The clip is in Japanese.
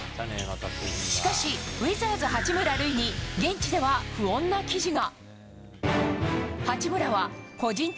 しかし、ウィザーズ、八村塁に現地では不穏な記事が。